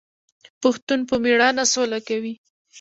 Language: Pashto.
پښتون په میړانه سوله کوي.